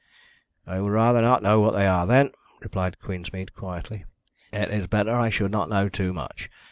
"I would rather not know what they are, then," replied Queensmead quietly. "It is better I should not know too much.